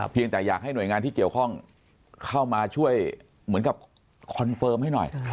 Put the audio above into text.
แต่อยากให้หน่วยงานที่เกี่ยวข้องเข้ามาช่วยเหมือนกับคอนเฟิร์มให้หน่อย